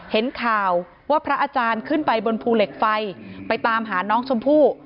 เห็นข่าวว่าพระอาจารย์ขึ้นไปบนภูเหล็กไฟไปตามหาน้องชมพู่